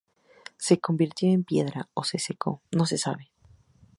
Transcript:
Se convirtió en piedra; o se secó, no se sabe.